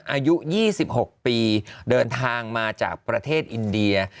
อายุ๒๖ปีเดินทางมาจากประเทศอินเดีย